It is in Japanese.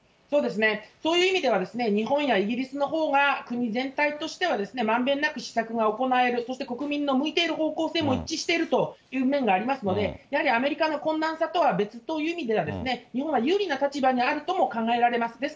そうですね、そういう意味では、日本やイギリスのほうが国全体としては、まんべんなく施策が行われるそして国民の向いている方向性も一致しているという面がありますので、やはりアメリカの困難さとは別という意味では、日本は有利な立場にあるとも考えられます。